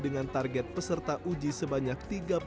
dengan target peserta uji sebanyak tiga puluh tiga empat puluh enam